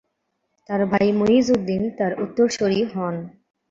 তার ভাই মুইজউদ্দিন তার উত্তরসুরি হন।